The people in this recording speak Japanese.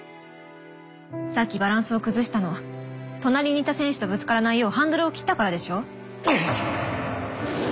さっきバランスを崩したの隣にいた選手とぶつからないようハンドルを切ったからでしょ？